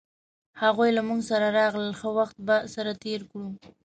هغوی له مونږ سره راغلل ښه وخت به سره تیر کړو